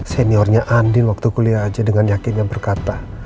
seniornya andin waktu kuliah aja dengan yakin yang berkata